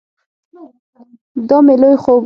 دا مې لوی خوب ؤ